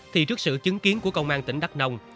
thì trước sự chứng kiến của công an tỉnh đắk nông